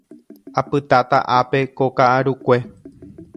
Apytáta ápe ko ka'arukue.